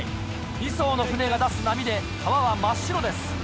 ２艘の船が出す波で川は真っ白です。